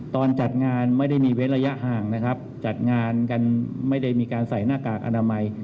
จัดงานไม่ได้มีเว้นระยะห่างนะครับจัดงานกันไม่ได้มีการใส่หน้ากากอนามัย